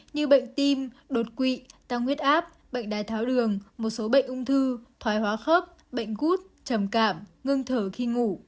như bệnh tim đột quỵ tăng huyết áp bệnh đái tháo đường một số bệnh ung thư thoái hóa khớp bệnh gút trầm cảm ngưng thở khi ngủ